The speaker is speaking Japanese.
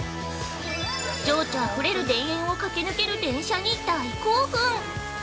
情緒あふれる田園を駆け抜ける電車に大興奮。